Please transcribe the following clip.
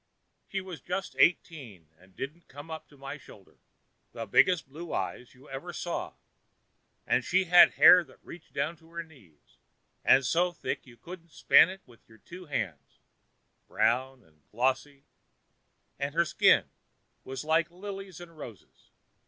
She was just eighteen, and didn't come up to my shoulder; the biggest blue eyes you ever saw, and she had hair that reached down to her knees, and so thick you couldn't span it with your two hands—brown and glossy—and her skin with like lilies and roses.